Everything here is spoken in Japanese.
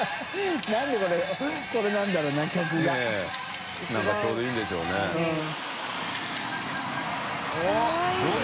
なんでこれなんだろうな曲が。）ねぇ何かちょうどいいんでしょうね。））おっ！